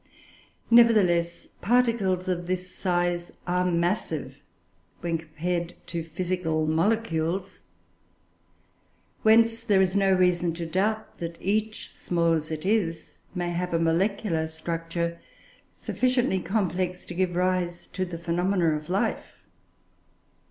Nevertheless, particles of this size are massive when compared to physical molecules; whence there is no reason to doubt that each, small as it is, may have a molecular structure sufficiently complex to give rise to the phenomena of life.